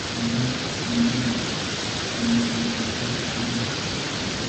Magaat indene ngolyongung sait tugul